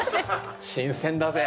新鮮だぜ！